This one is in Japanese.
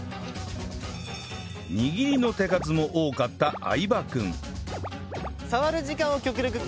握りの手数も多かった相葉君